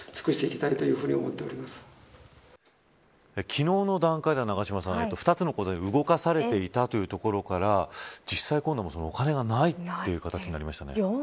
昨日の段階では、永島さん２つの口座に動かされていたということから実際、今度はお金がないということになりましたね。